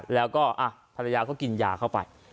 แล้วก็ภรรยาก็กินยาเข้าไป